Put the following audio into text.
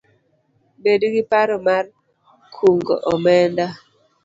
Bed gi paro mar kungo omenda